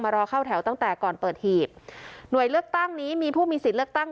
รอเข้าแถวตั้งแต่ก่อนเปิดหีบหน่วยเลือกตั้งนี้มีผู้มีสิทธิ์เลือกตั้ง